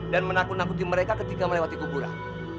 dan menakut nakuti mereka ketika melewati kuburan